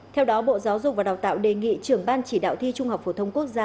theo đó bộ giáo dục và đào tạo đề nghị trưởng ban chỉ đạo thi trung học phổ thông quốc gia